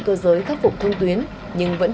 cơ giới khắc phục thông tuyến nhưng vẫn